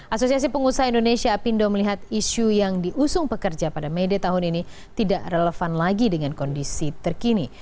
asosiasi pengusaha indonesia apindo melihat isu yang diusung pekerja pada may day tahun ini tidak relevan lagi dengan kondisi terkini